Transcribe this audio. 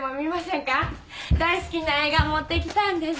大好きな映画持ってきたんです。